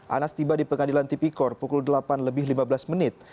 anas tiba di pengadilan tipikor pukul delapan lebih lima belas menit